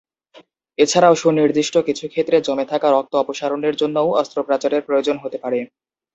এছাড়াও সুনির্দিষ্ট কিছু ক্ষেত্রে জমে থাকা রক্ত অপসারণের জন্যও অস্ত্রোপচারের প্রয়োজন হতে পারে।